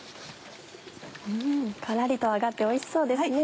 カラリと揚がっておいしそうですね。